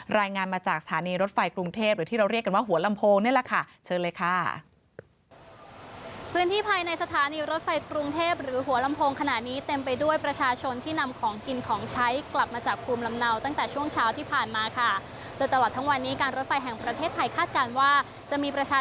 รายงานมาจากสถานีรถไฟกรุงเทพหรือที่เราเรียกกันว่าหัวลำโพงนี่แหละค่ะเชิญเลยค่ะ